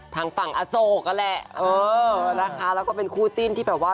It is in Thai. ทางฝั่งอโศกนั่นแหละเออนะคะแล้วก็เป็นคู่จิ้นที่แบบว่า